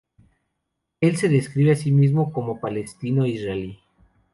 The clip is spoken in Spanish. Él se describe asimismo como palestino-israelí.